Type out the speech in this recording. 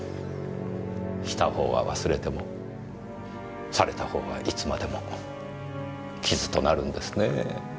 したほうは忘れてもされたほうはいつまでも傷となるんですねぇ。